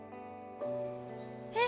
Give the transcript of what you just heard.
えっ？